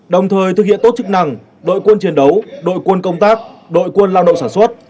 đồng thời thực hiện tốt chức năng đội quân chiến đấu đội quân công tác đội quân lao động sản xuất